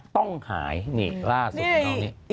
ต้องหายนี่ล่าสุดของเรานี่